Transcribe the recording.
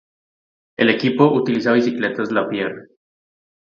El equipo utiliza bicicletas Lapierre.